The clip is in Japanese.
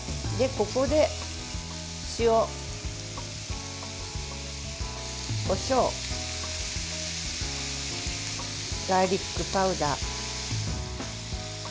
ここで塩、こしょうガーリックパウダー。